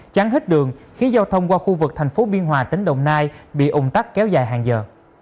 chắn hết đường khiến giao thông qua khu vực thành phố biên hòa tỉnh đồng nai bị ủng tắc kéo dài hàng giờ